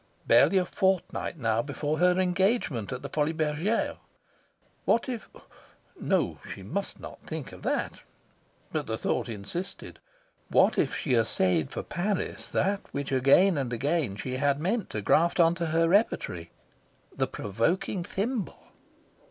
Barely a fortnight now before her engagement at the Folies Bergeres! What if no, she must not think of that! But the thought insisted. What if she essayed for Paris that which again and again she had meant to graft on to her repertory the Provoking Thimble?